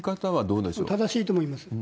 正しいと思います。